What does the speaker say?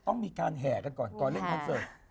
ต้องมีการแห่กันก่อนไปทำเวิร์ด